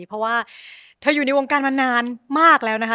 เพราะว่าเธออยู่ในวงการมานานมากแล้วนะคะ